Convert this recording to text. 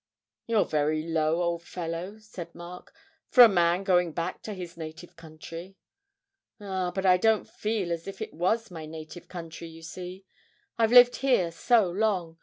'You're very low, old fellow,' said Mark, 'for a man going back to his native country.' 'Ah, but I don't feel as if it was my native country, you see. I've lived here so long.